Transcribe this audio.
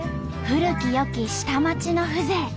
古き良き下町の風情。